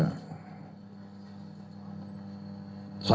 dan kepentingan yang lebih besar